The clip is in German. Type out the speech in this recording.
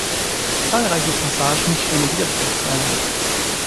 Zahlreiche Passagen stehen im Widerspruch zueinander.